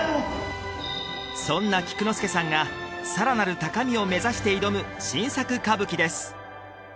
そんな菊之助さんがさらなる高みを目指して挑む新作歌舞伎です